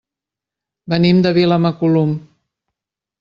Venim de Vilamacolum.